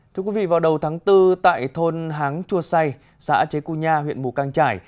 thưa quý vị vào đầu tháng bốn tại thôn háng chua say xã chế cua nha huyện mù căng trải